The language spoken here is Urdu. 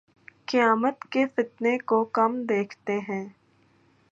قیامت کے فتنے کو، کم دیکھتے ہیں